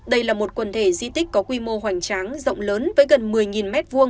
đây là một quần thể di tích có quy mô hoành tráng rộng lớn với gần một mươi m hai